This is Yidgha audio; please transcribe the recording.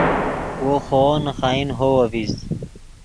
وو خوو نے خائن ہوو اڤزید